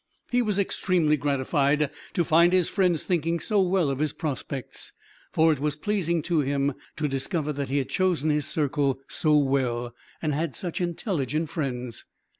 He was extremely gratified to find his friends thinking so well of its prospects, for it was pleasing to him to discover that he had chosen his circle so well, and had such intelligent friends.